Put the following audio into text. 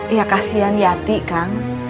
ya kasihan yati kang